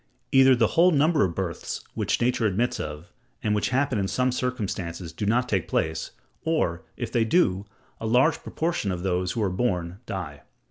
Either the whole number of births which nature admits of, and which happen in some circumstances, do not take place; or, if they do, a large proportion of those who are born, die.